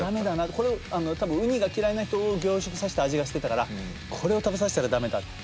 これ多分ウニが嫌いな人を凝縮さした味がしてたからこれを食べさせたら駄目だって。